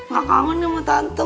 gak kangen sama tante